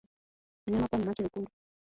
Mnyama kuwa na macho mekundu